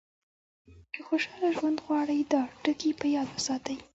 که خوشاله ژوند غواړئ دا ټکي په یاد وساتئ.